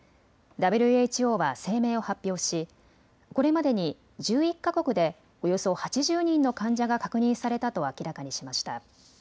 ＷＨＯは声明を発表しこれまでに１１か国でおよそ８０人の患者が確認されたと明らかにしました。